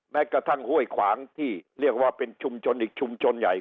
แม้กระทั่งห้วยขวางที่เรียกว่าเป็นชุมชนอีกชุมชนใหญ่